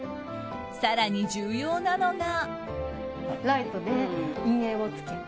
更に、重要なのが。